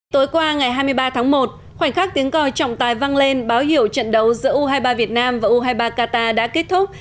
tối qua ngày hai mươi ba tháng một khoảnh khắc tiếng còi trọng tài văng lên báo hiệu trận đấu giữa u hai mươi ba việt nam và u hai mươi ba qatar đã kết thúc